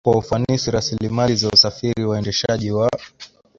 kwa ufanisi Rasilimali za usafiri waendeshaji wa